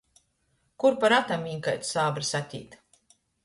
Kur pa ratam viņ kaids sābris atīt.